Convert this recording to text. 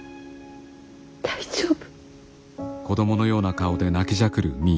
大丈夫。